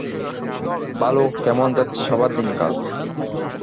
ভালো, কেমন যাচ্ছে সবার দিনকাল?